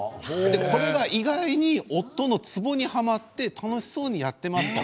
これが意外に夫のツボにはまって楽しそうにやっています。